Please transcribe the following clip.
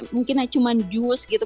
mungkin cuma jus gitu